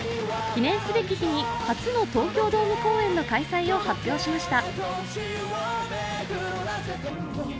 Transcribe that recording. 記念すべき日に初の東京ドーム公演の開催を発表しました。